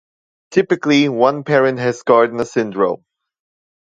Typically, one parent has Gardner syndrome.